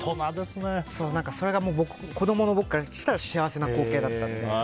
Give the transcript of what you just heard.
それが子供の僕からしたら幸せな光景だったので。